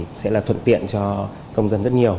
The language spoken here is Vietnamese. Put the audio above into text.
nghĩa là thuận tiện cho công dân rất nhiều